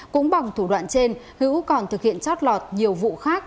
cũng bằng thủ đoạn trên hữu còn thực hiện chót lọt nhiều vụ khác